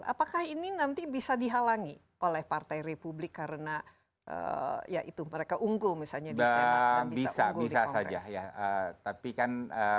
apakah ini nanti bisa dihalangi oleh partai republik karena ya itu mereka unggul misalnya di senat dan bisa unggul di kongres